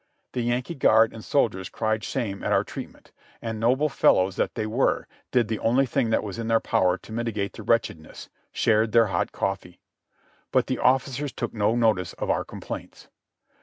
The Yankee guard and soldiers cried shame at our treatment, and noble fel lows that they were, did the only thing that was in their power to mitigate the wretchedness, shared their hot coffee ; but the officers took no notice of our complaints.